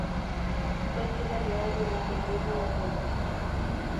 Fue sede real durante el Reino de Polonia.